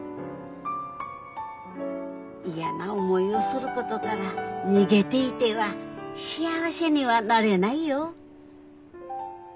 嫌な思いをすることから逃げていては幸せにはなれないよ。